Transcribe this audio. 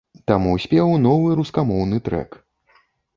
Таму спеў новы рускамоўны трэк.